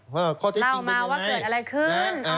เล่ามาว่าเกิดอะไรขึ้น